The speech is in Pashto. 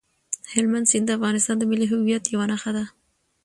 هلمند سیند د افغانستان د ملي هویت یوه نښه ده.